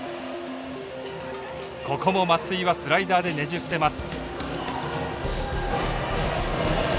ここも松井はスライダーでねじ伏せます。